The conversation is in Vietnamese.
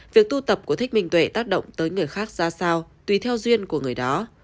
việc tu tập của thích minh tuệ tác động tới người khác ra sao tùy theo duyên của người đó